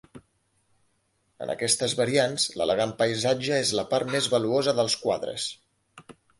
En aquestes variants, l'elegant paisatge és la part més valuosa dels quadres.